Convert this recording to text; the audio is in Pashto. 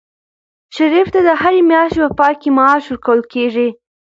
شریف ته د هرې میاشتې په پای کې معاش ورکول کېږي.